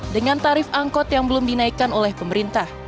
dengan tarif angkot yang belum dinaikkan oleh pemerintah